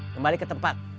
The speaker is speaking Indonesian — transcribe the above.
kembali ke tempat